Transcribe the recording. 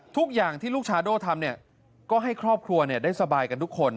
ทุกอย่างที่ลูกชาโด่ทำก็ให้ครอบครัวได้สบายกันทุกคน